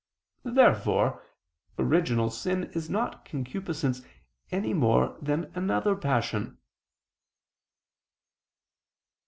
Therefore original sin is not concupiscence any more than another passion.